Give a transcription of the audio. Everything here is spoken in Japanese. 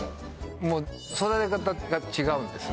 もう育て方が違うんですね